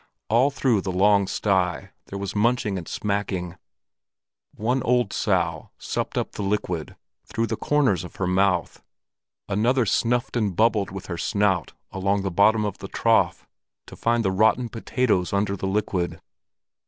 All through the long sty there was munching and smacking. One old sow supped up the liquid through the corners of her mouth, another snuffed and bubbled with her snout along the bottom of the trough to find the rotten potatoes under the liquid.